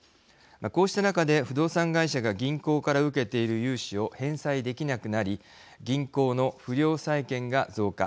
こうした中で不動産会社が銀行から受けている融資を返済できなくなり銀行の不良債権が増加。